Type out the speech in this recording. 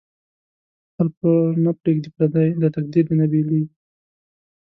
خپل پور نه پریږدی پردی، داتقدیر دی نه بیلیږی